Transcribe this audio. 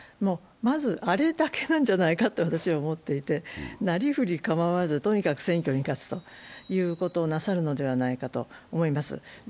まずあれだけなんじゃないかと私は思っていて、なりふり構わずとにかく選挙に勝つということをなさるのではないかと思います。